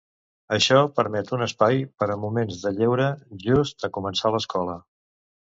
Això permet un espai per a moments de lleure just en començar l'escola.